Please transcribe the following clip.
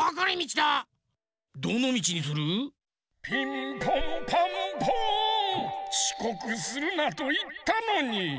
ちこくするなといったのに。